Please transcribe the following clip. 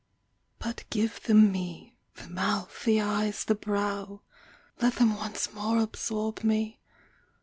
But give them me, the mouth, the eyes, the brow! Let them once more absorb me!